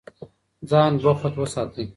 ځان بوخت وساتئ.